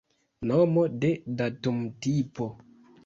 Nomo de datumtipo.